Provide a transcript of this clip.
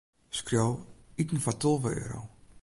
Skriuw: iten foar tolve euro.